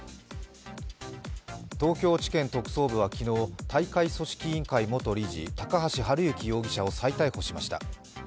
東京地検特捜部は昨日大会組織委員会元理事、高橋治之容疑者を再逮捕しました。